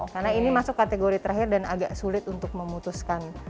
karena ini masuk kategori terakhir dan agak sulit untuk memutuskan